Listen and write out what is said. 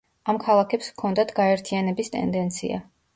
ამ ქალაქებს ჰქონდათ გაერთიანების ტენდენცია.